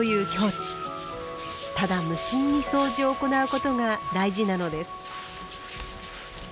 ただ無心にそうじを行うことが大事なのです。